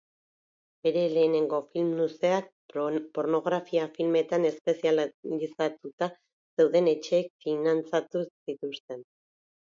Bere lehenengo film luzeak pornografia-filmetan espezializatuta zeuden etxeek finantzatu zituzten.